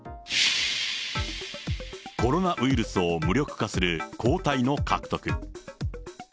コロナウイルスを無力化する抗体の獲得。